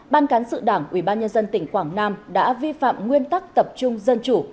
ban cán sự đảng ủy ban nhân dân tỉnh quảng nam đã vi phạm nguyên tắc tập trung dân chủ